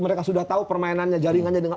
mereka sudah tahu permainannya jaringannya dengan